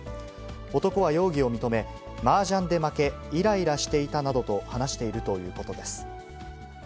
男は容疑を認め、マージャンで負け、いらいらしていたなどと話しているということです。